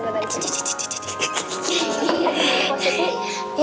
aduh aduh aduh